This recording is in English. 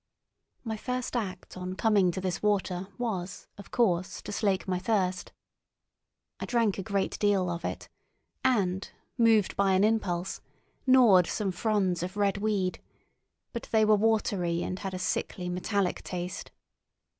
My first act on coming to this water was, of course, to slake my thirst. I drank a great deal of it and, moved by an impulse, gnawed some fronds of red weed; but they were watery, and had a sickly, metallic taste.